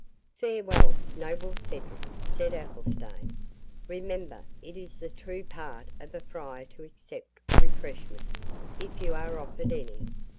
"Farewell, noble Cedric," said Athelstane; "remember it is the true part of a friar to accept refreshment, if you are offered any."